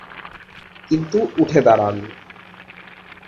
কিন্তু উঠে দাঁড়ান।